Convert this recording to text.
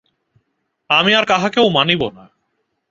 আমি আর কাহাকেও মানিব না।